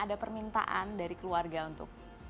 ada permintaan dari keluarga untuk